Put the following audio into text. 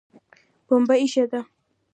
پمبه ایښې ده